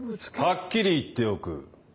はっきり言っておく。